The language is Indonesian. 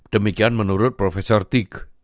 demikian menurut prof tick